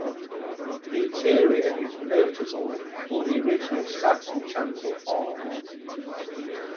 The interior is notable for the original Saxon chancel arch.